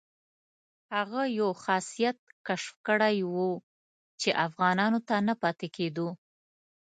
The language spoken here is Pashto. هغه یو خاصیت کشف کړی وو چې افغانانو ته نه پاتې کېدو.